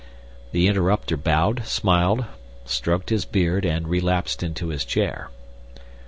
The interrupter bowed, smiled, stroked his beard, and relapsed into his chair.